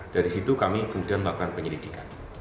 dari situ kami kemudian melakukan penyelidikan